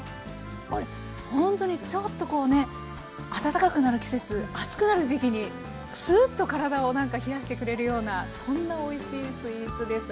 これほんとにちょっとこうね暖かくなる季節暑くなる時期にスーッと体を冷やしてくれるようなそんなおいしいスイーツです。